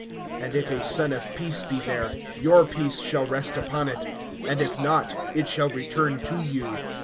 (6)And if a son of peace be there, your peace shall rest upon it; and if not, it shall return to you.